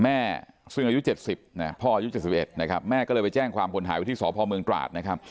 แม่ซึ่งอายุ๗๐พ่ออายุ๗๑แม่ก็เลยไปแจ้งความผลหายวิธีสอพเมืองกราช